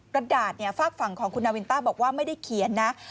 กระดาษฝากฝั่งของคุณนาวินต้าบอกว่าไม่ได้เขียนนะ